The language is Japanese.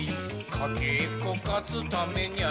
かけっこかつためにゃ」